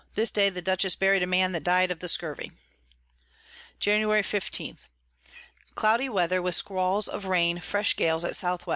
This day the Dutchess bury'd a Man that died of the Scurvy. Jan. 15. Cloudy Weather, with Squalls of Rain, fresh Gales at S W.